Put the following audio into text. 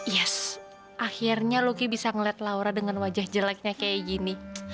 yes akhirnya luki bisa ngeliat laura dengan wajah jeleknya kayak gini